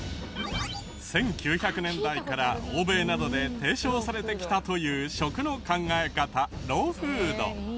１９００年代から欧米などで提唱されてきたという食の考え方ローフード。